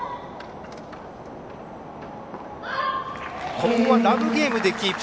ここはラブゲームでキープ。